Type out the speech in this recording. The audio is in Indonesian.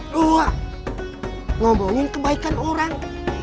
dua ngomongin kebaikan orang